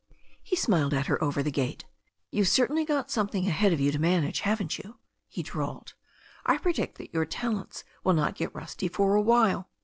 He smiled at her over the gate. "You've certainly got something ahead of you to manage, haven't you?" he drawled. "I predict that your talents will not get rusty for a while."